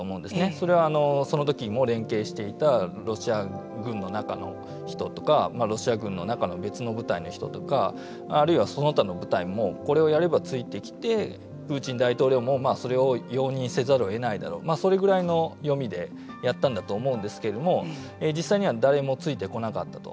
それは、その時も連携していたロシア軍の中の人とかロシア軍の中の別の部隊の人とかあるいはその他の部隊もこれをやればついてきてプーチン大統領もそれを容認せざるを得ないだろうそれぐらいの読みでやったんだと思うんですけれども実際には誰もついてこなかったと。